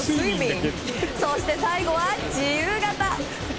そして最後は自由形。